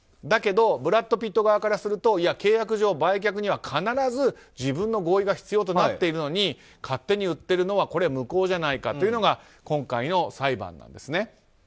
だけどブラッド・ピット側からすると契約上、売却には必ず自分の合意が必要となっているのに勝手に売っているのは無効じゃないかというのが今回の裁判なんですね。